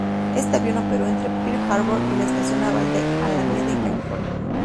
Este avión operó entre Pearl Harbor y la estación naval de Alameda en California.